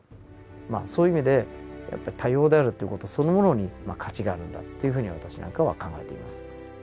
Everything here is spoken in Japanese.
まあそういう意味でやっぱり多様であるという事そのものに価値があるんだというふうに私なんかは考えています。